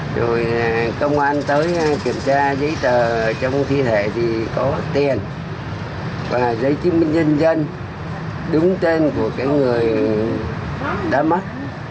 rồi công an tới kiểm tra giấy tờ trong thi thể thì có tiền và giấy chứng minh nhân dân đứng tên của cái người đã mất